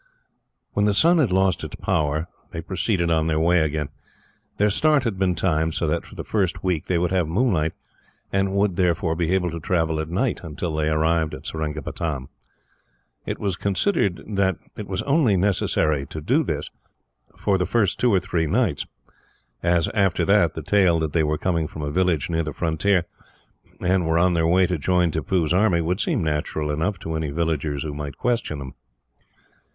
When the sun had lost its power, they proceeded on their way again. Their start had been timed so that, for the first week, they would have moonlight; and would, therefore, be able to travel at night until they arrived at Seringapatam. It was considered that it was only necessary to do this for the first two or three nights as, after that, the tale that they were coming from a village near the frontier, and were on their way to join Tippoo's army, would seem natural enough to any villagers who might question them.